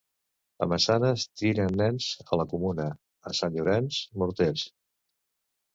A Massanes, tiren nens a la comuna. A Sant Llorenç, morters.